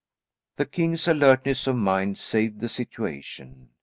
The king's alertness of mind saved the situation.